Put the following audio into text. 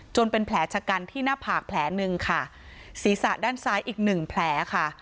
เป็นแผลชะกันที่หน้าผากแผลหนึ่งค่ะศีรษะด้านซ้ายอีกหนึ่งแผลค่ะ